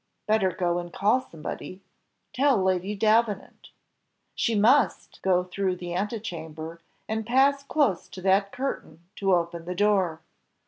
Better go and call somebody tell Lady Davenant. She MUST go through the antechamber, and pass close to that curtain to open the door.